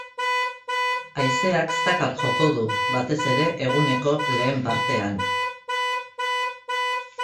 Haizeak zakar joko du, batez ere eguneko lehen partean.